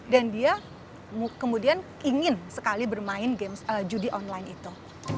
dan dia kemudian ingin sekali bermain judi online itu